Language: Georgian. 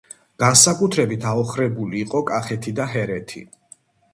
განსაკუთრებით აოხრებული იყო კახეთი და ჰერეთი.